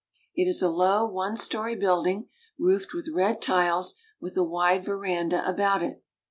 It is a low, one story building, roofed with red tiles, with a wide veranda about it.